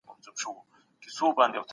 په منځنیو پېړیو کي ساینس ډېر پرمختګ ونه کړ.